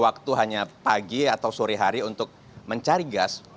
waktu hanya pagi atau sore hari untuk mencari gas